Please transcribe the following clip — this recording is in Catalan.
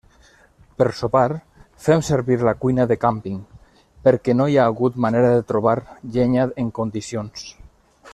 Per sopar, fem servir la cuina de càmping, perquè no hi ha hagut manera de trobar llenya en condicions.